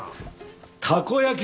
たこ焼き